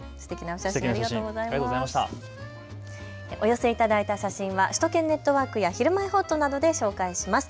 お寄せいただいた写真は首都圏ネットワークやひるまえほっとなどで紹介します。